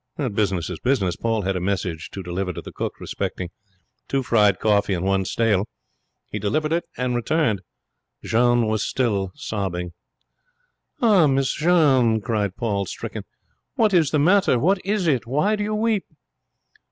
Business is business. Paul had a message to deliver to the cook respecting 'two fried, coffee, and one stale'. He delivered it and returned. Jeanne was still sobbing. 'Ah, Miss Jeanne,' cried Paul, stricken, 'what is the matter? What is it? Why do you weep?'